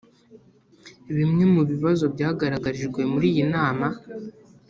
Bimwe mu bibazo byagaragarijwe muri iyi nama